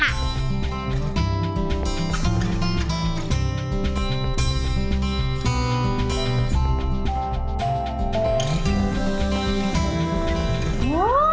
ว้าว